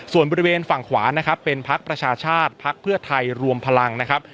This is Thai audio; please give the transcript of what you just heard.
ส่วนบริเวณฝั่งขวานะครับเป็นพักประชาชาติพักเพื่อไทยรวมพลังนะครับ